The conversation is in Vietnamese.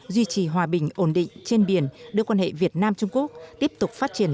duy trì hòa bình ổn định trên biển đưa quan hệ việt nam trung quốc tiếp tục phát triển